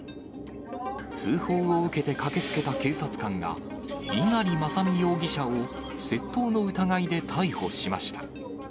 通報を受けて駆けつけた警察官が、猪狩正美容疑者を窃盗の疑いで逮捕しました。